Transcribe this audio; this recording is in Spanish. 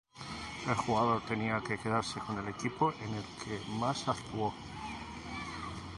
El jugador tenía que quedarse con el equipo en el que más actúo.